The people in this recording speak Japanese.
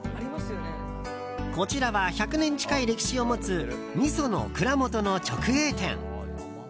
こちらは１００年近い歴史を持つみその蔵元の直営店。